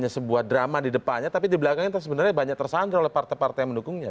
sebuah drama di depannya tapi di belakangnya sebenarnya banyak tersandra oleh partai partai yang mendukungnya